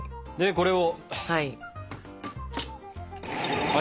これを。